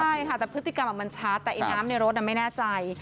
ใช่ค่ะแต่พฤติกรรมมันชัดแต่ไอ้น้ำในรถไม่แน่ใจ